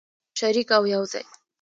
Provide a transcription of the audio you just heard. شریک او یوځای.